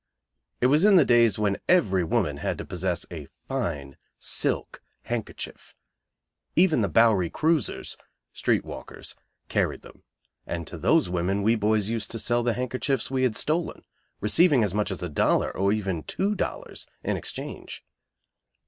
It was in the days when every woman had to possess a fine silk handkerchief; even the Bowery "cruisers" (street walkers) carried them; and to those women we boys used to sell the handkerchiefs we had stolen, receiving as much as a dollar, or even two dollars, in exchange.